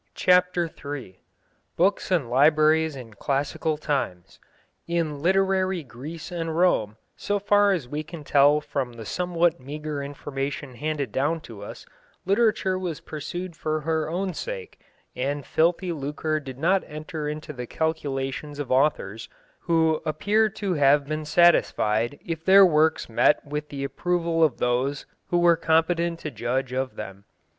CHAPTER III BOOKS AND LIBRARIES IN CLASSICAL TIMES In literary Greece and Rome, so far as we can tell from the somewhat meagre information handed down to us, literature was pursued for her own sake, and filthy lucre did not enter into the calculations of authors, who appear to have been satisfied if their works met with the approval of those who were competent to judge of them.